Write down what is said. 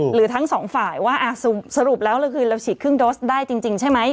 หรือทั้งสองฝ่ายว่าสรุปแล้วคือเราฉีดครึ่งโดสได้จริงใช่ไหม